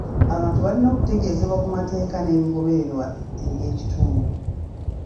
Abantu balina okutegeezebwa ku mateeka nebigobererwa eby'ekitundu.